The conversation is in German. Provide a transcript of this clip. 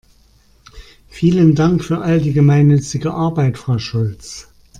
Vielen Dank für all die gemeinnützige Arbeit, Frau Schulz!